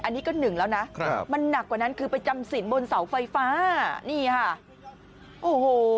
อันนี้ก็หนึ่งแล้วนะครับมันหนักกว่านั้นคือไปจำสินบนเสาไฟฟ้านี่ค่ะโอ้โห